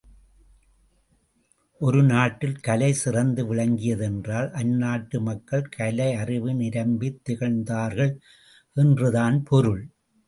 ஒரு நாட்டில் கலை சிறந்து விளங்கியது என்றால் அந்நாட்டு மக்கள் கலையறிவு நிரம்பித் திகழ்ந்தார்கள் என்று தான் பொருள்.